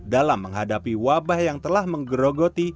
dalam menghadapi wabah yang telah menggerogoti